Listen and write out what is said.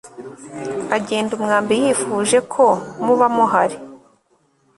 agenda umwambi.yifuje ko muba muhari